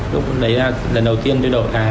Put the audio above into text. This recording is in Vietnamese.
lúc đấy là lần đầu tiên tôi đổi là bảy tám trăm linh